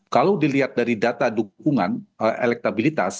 kalau dilihat dari data dukungan elektabilitas